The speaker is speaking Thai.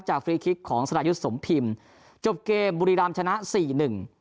จากของสนัยยุทธสมภิมธ์จบเกมบุรีรามชนะสี่หนึ่ง